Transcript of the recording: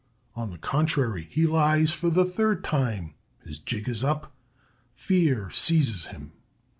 On the contrary, he lies for the third time. His jig is up. Fear seizes him.